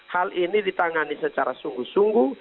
hal ini ditangani secara sungguh sungguh